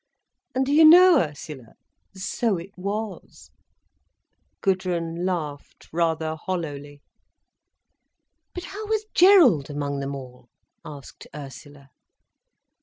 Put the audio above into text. And do you know, Ursula, so it was—" Gudrun laughed rather hollowly. "But how was Gerald among them all?" asked Ursula.